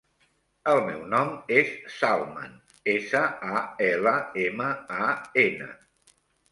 El meu nom és Salman: essa, a, ela, ema, a, ena.